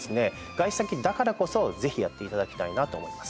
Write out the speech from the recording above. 外出先だからこそ是非やっていただきたいなと思います。